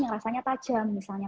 yang rasanya tajam misalnya